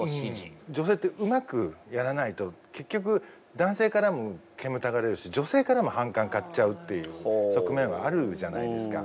女性ってうまくやらないと結局男性からも煙たがられるし女性からも反感買っちゃうっていう側面はあるじゃないですか。